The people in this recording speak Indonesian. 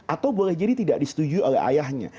atau boleh jadi tidak disetujui oleh ayahnya